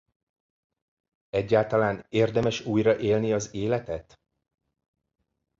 Egyáltalán érdemes újra élni az életet?